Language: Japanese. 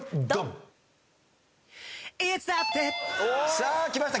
さあきました。